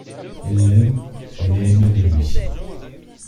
Elle l'aime, elle est aimée de lui.